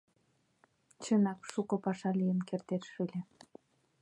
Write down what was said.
Чынак, шучко паша лийын кертеш ыле.